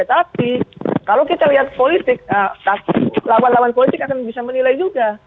tapi kalau kita lihat politik lawan lawan politik akan bisa menilai juga